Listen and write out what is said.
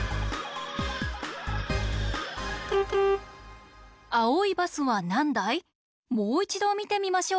もういちどみてみましょう。